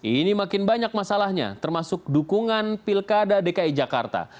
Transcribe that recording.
ini makin banyak masalahnya termasuk dukungan pilkada dki jakarta